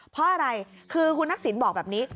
เพราะอะไรคือคุณทักษิณบอกแบบนี้